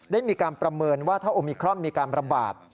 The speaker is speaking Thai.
ได้มีการประเมินว่าถ้าโอมิครอนมีการระบาด